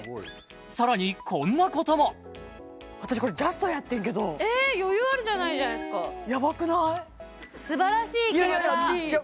さらにこんなことも私これジャストやってんけど余裕あるじゃないですかヤバくない？